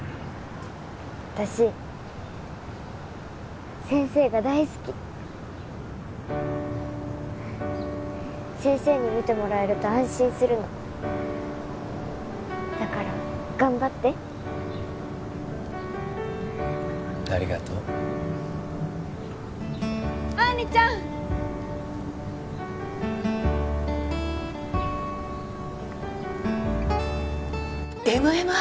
私先生が大好き先生に診てもらえると安心するのだから頑張ってありがとう杏里ちゃんＭＭＩ？